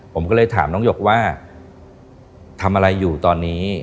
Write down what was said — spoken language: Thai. ผมก็เลยถามน้องหยกว่าทำอะไรอยู่ตอนนี้